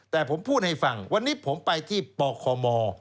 แต่ผมพูดให้ฟังวันนี้ผมไปที่ปคม